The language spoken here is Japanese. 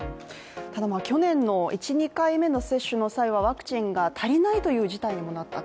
ただ、去年の１，２回目の接種の際はワクチンが足りないという事態にもなった。